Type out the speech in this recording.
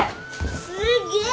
すげえ！